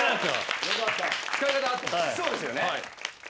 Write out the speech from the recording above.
そうですよね。